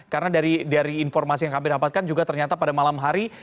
karena dari informasi yang kami dapatkan juga ternyata pada malam hari